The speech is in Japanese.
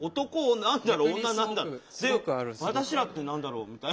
私らって何だろうみたいな。